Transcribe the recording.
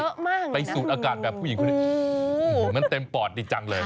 เยอะมากนะไปสูดอากาศแบบผู้หญิงมันเต็มปอดดีจังเลย